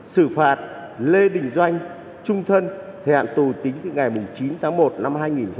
xử phạt lê đình doanh trung thân thời hạn tù tính từ ngày chín tháng một năm hai nghìn hai mươi